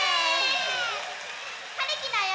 はるきだよ！